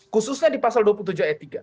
khususnya di pasal dua puluh tujuh ayat tiga